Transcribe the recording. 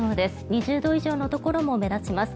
２０度以上のところも目立ちます。